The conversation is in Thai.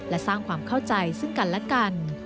และสร้างความเข้าใจซึ่งกันและกัน